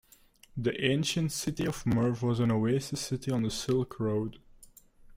The ancient city of Merv was an oasis city on the Silk Road.